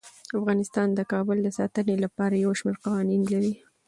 افغانستان د کابل د ساتنې لپاره یو شمیر قوانین لري.